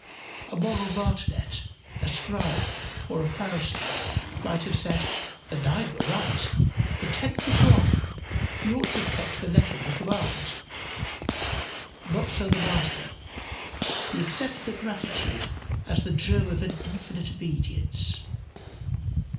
A moral martinet, a scribe, or a Pharisee, might have said "The nine were right, the tenth was wrong: he ought to have kept to the letter of the command." Not so the Master: he accepted the gratitude as the germ of an infinite obedience.